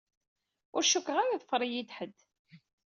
Ur cukkeɣ ara iḍfer-iyi-d ḥedd.